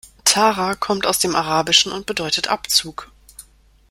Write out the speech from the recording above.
Tara kommt aus dem Arabischen und bedeutet Abzug.